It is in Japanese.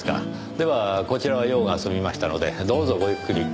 ではこちらは用が済みましたのでどうぞごゆっくり。